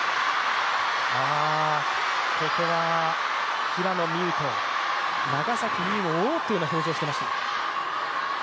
ここは平野美宇と長崎美柚も「おおっ」という表情をしていました。